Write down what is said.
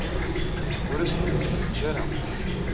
Ur as-tent-id-yeǧǧa ara.